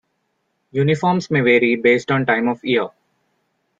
Uniforms may vary based on time of year.